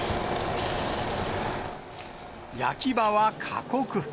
焼き場は過酷。